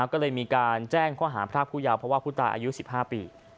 ก็เลยมีการแจ้งข้อหาพรากผู้ยาวเพราะว่าผู้ตายอายุ๑๕ปี